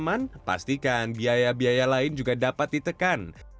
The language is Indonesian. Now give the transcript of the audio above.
kalau anda tidak aman pastikan biaya biaya lain juga dapat ditekan